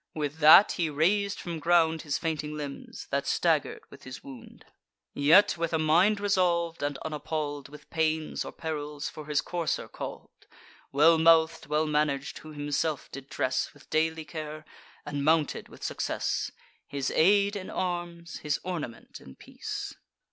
With that he rais'd from ground His fainting limbs, that stagger'd with his wound; Yet, with a mind resolv'd, and unappall'd With pains or perils, for his courser call'd Well mouth'd, well manag'd, whom himself did dress With daily care, and mounted with success; His aid in arms, his ornament in peace.